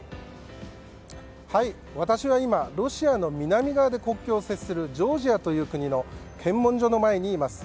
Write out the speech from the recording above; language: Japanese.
私は今ロシアの南側で国境を接するジョージアという国の検問所の前にいます。